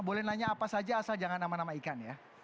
boleh nanya apa saja asal jangan nama nama ikan ya